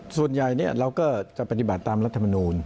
ส่วนใหญ่เราก็จะปฏิบัติตามรัฐมนูล